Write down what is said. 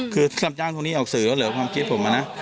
คือรับจ้างทวงหนี้ออกสื่อแล้วเหรอความคิดผมอะนะ